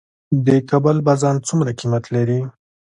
د کابل بازان څومره قیمت لري؟